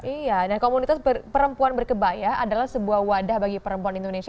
iya dan komunitas perempuan berkebaya adalah sebuah wadah bagi perempuan indonesia